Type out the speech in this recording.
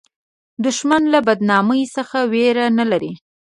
دښمن له بدنامۍ نه ویره نه لري